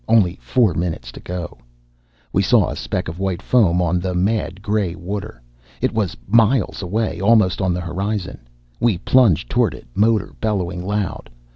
Only four minutes to go. We saw a speck of white foam on the mad gray water. It was miles away, almost on the horizon. We plunged toward it, motor bellowing loud.